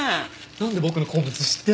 なんで僕の好物知ってるの？